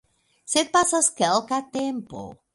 Sed pasas kelka tempo.